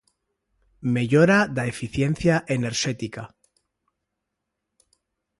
Mellora da eficiencia enerxética.